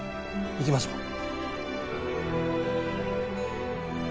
行きましょう。